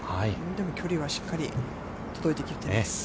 でも距離はしっかり届いてきています。